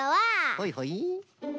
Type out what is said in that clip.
はいはい。